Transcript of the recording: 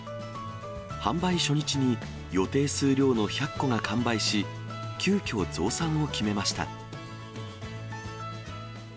販売初日に、予定数量の１００個が完売し、急きょ、増産を決めました。